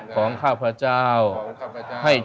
หนุนนำส่ง